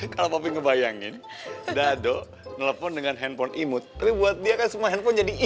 kalau papa ngebayangin dado nelfon dengan handphone imut tapi buat dia kan semua handphone jadi imu